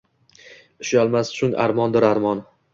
Ushalmas choʼng armondir, armon.